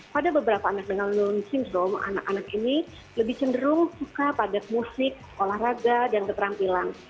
pada beberapa anak dengan non syndrome anak anak ini lebih cenderung suka padat musik olahraga dan keterampilan